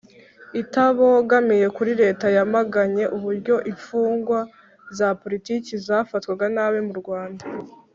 itabogamiye kuri leta yamaganye uburyo imfungwa za politiki zafatwaga nabi mu rwanda